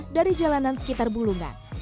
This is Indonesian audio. dari jalanan sekitar bulungan